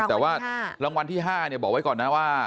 หลังวัลที่๕เนี่ยบอกไว้ก่อนนะว่า